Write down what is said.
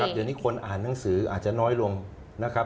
เดี๋ยวนี้คนอ่านหนังสืออาจจะน้อยลงนะครับ